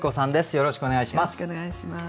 よろしくお願いします。